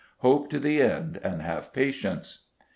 Hope to the end and have pacience."